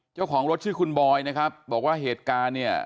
เจ้าของรถชื่อคุณบอยนะครับบอกว่าเหตุการณ์เนี่ย